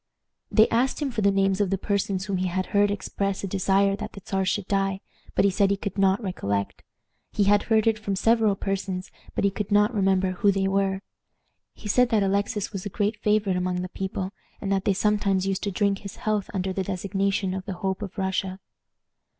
They asked him for the names of the persons whom he had heard express a desire that the Czar should die, but he said he could not recollect. He had heard it from several persons, but he could not remember who they were. He said that Alexis was a great favorite among the people, and that they sometimes used to drink his health under the designation of the Hope of Russia.